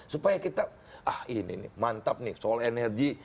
supaya kita ah ini nih mantap nih soal energi